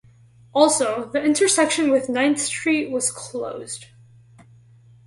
Also, the intersection with Ninth Street was closed.